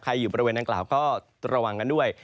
อยู่บริเวณดังกล่าวก็ระวังกันด้วย